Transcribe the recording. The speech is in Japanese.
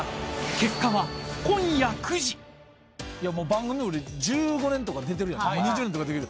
番組俺１５年とか出てるやん。